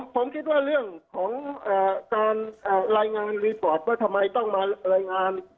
ผมคิดว่าเรื่องของการรายงานรีฟอร์ตว่าทำไมต้องมารายงาน